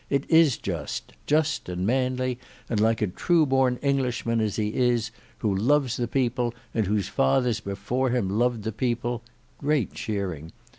"It is just; just and manly and like a true born Englishman as he is, who loves the people and whose fathers before him loved the people (great cheering).